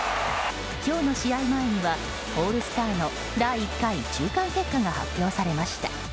今日の試合前にはオールスターの第１回中間結果が発表されました。